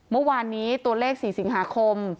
เมื่อวานนี้ตัวเลข๔สิงหาคม